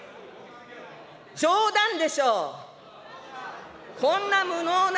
冗談でしょう。